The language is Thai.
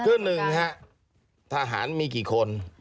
ก็หนึ่งครับทหารมีกี่คน